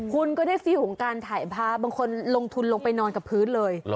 คุณก็ได้ฟิลของการถ่ายภาพบางคนลงทุนลงไปนอนกับพื้นเลย